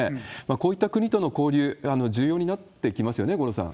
こういった国との交流、重要になってきますよね、五郎さん。